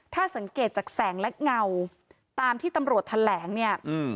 ถ้าสังเกตจากแสงและเงาตามที่ตำรวจแถลงเนี่ย